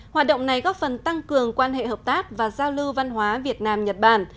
hoạt động này góp phần tăng cường quan hệ hợp tác và giao lưu văn hóa việt nam nhật bản